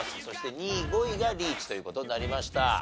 そして２位５位がリーチという事になりました。